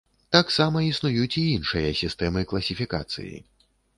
Таксама існуюць і іншыя сістэмы класіфікацыі.